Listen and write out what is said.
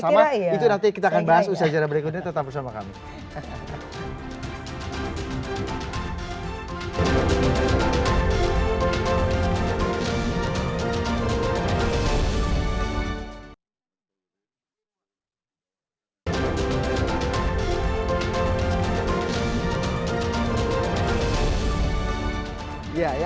itu nanti kita akan bahas usaha secara berikutnya tetap bersama kami